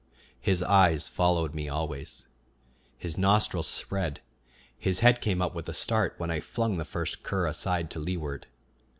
His eyes followed me always. His nostrils spread, his head came up with a start when I flung the first cur aside to leeward.